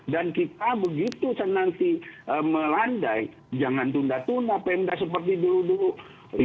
dan kita begitu nanti melandai jangan tunda tunda pendas seperti dulu dulu